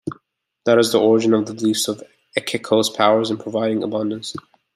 That is the origin of the beliefs of Ekeko's powers in providing abundance.